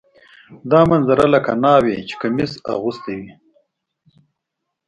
دا منظره لکه ناوې چې کمیس اغوستی وي.